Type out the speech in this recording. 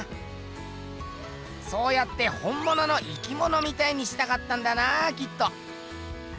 そうやってほんものの生きものみたいにしたかったんだなきっと。